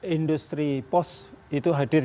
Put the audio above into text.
industri pos indonesia ini